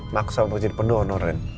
maksa untuk jadi penonor